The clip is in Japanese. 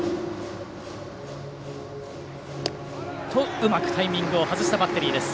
うまくタイミングを外したバッテリーです。